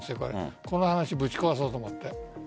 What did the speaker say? この話をぶち壊そうと思って。